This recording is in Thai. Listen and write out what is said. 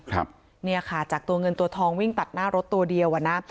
ครับเนี่ยค่ะจากตัวเงินตัวทองวิ่งตัดหน้ารถตัวเดียวอ่ะนะ